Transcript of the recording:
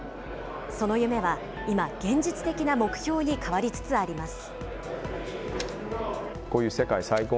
その夢は今、現実的な目標に変わりつつあります。